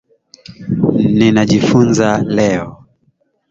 ninajifunza leo